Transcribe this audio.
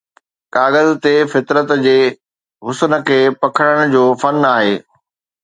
ڪاغذ تي فطرت جي حسن کي پڪڙڻ جو فن آهي